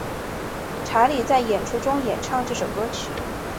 查理在演出中演唱这首歌曲。